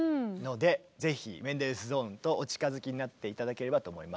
ぜひメンデルスゾーンとお近づきになって頂ければと思います。